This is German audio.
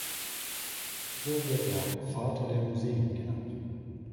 So wird er „Vater der Museen“ genannt.